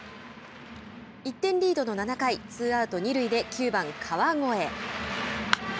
１点リードの７回ツーアウト、二塁で９番川越。